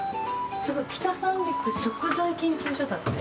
北三陸食材研究所だって。